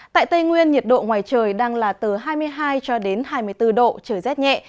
tại tây nguyên nhiệt độ ngoài trời đang là từ hai mươi hai cho đến hai mươi bốn độ trời rét nhẹ